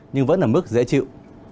nhưng vẫn ở mức dễ chịu